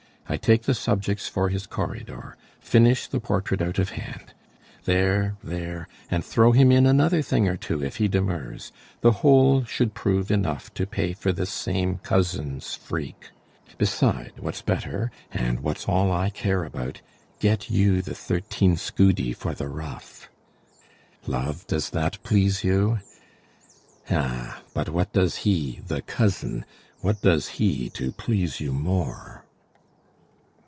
I take the subjects for his corridor, Finish the portrait out of hand there, there, And throw him in another thing or two If he demurs: the whole should prove enough To pay for this same cousin's freak. Beside, What's better, and what's all I care about, Get you the thirteen send for the ruff! Love, does that please you? Ah, but what does he, The cousin! what does he to please you more?